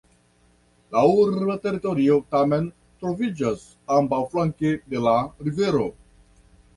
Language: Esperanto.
La urba teritorio tamen troviĝas ambaŭflanke de la rivero.